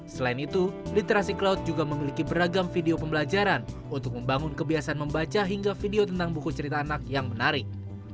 selain itu literasi cloud juga memiliki beragam video pembelajaran untuk membangun kebiasaan membaca hingga video tentang buku cerita anak yang menarik